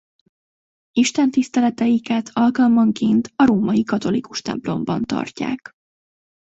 Istentiszteleteiket alkalmanként a római katolikus templomban tartják.